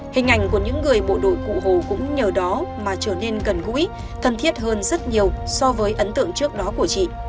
hình ảnh của những người bộ đội cụ hồ cũng nhờ đó mà trở nên gần gũi thân thiết hơn rất nhiều so với ấn tượng trước đó của chị